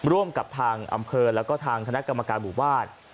ร่วมกับทางอำเภอและทางคณะกรรมการบุบาล